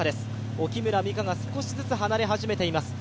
沖村美夏が少しずつ離れ始めています。